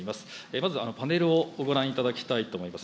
まずパネルをご覧いただきたいと思います。